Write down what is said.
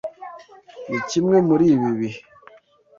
Ni kimwe muri ibi bihe.